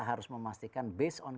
harus memastikan based on